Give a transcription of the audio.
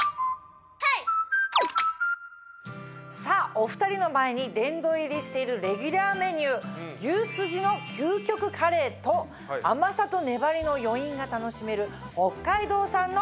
お２人の前に殿堂入りしているレギュラーメニュー牛すじの究極カレーと甘さと粘りの余韻が楽しめる北海道産の